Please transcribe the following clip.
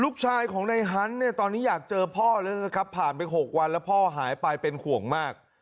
ลูกชายของในฮันต์ตอนนี้อยากเจอพ่อผ่านไป๖วันแล้วพ่อหายไปเป็นขวงมาก